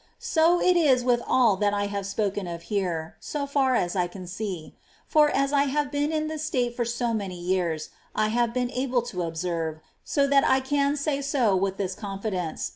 So is it with all that I have spoken of here, so far as I can see ; for, as I have been in this state for so many years, I have been able to observe, so that I can say so with this confidence.